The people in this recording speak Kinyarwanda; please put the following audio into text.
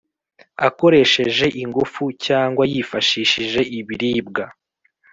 akoresheje ingufu cyangwa yifashishije ibirwa